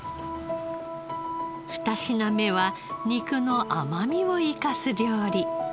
ふた品目は肉の甘みを生かす料理。